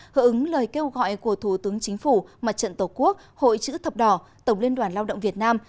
hợp ứng lời kêu gọi của thủ tướng chính phủ mặt trận tổ quốc hội chữ thập đỏ tổng liên đoàn lao động việt nam